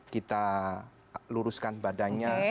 kita luruskan badannya